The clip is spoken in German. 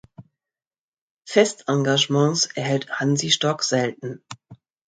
Festengagements erhielt Hansi Stork selten.